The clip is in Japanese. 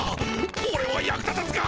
オレは役立たずか！